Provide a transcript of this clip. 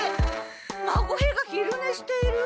孫兵が昼ねしている。